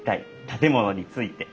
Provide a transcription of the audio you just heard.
建物について。